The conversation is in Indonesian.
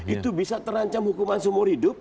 itu bisa terancam hukuman seumur hidup